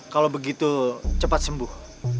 kalau begitu cepat sembuh